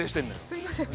すみません。